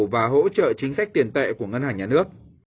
và hỗ trợ chính sách tiền tệ của ngân hàng nhà nước